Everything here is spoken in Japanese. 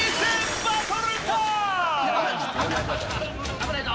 危ないぞ！